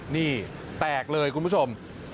นี่แตกเลยคุณผู้ชม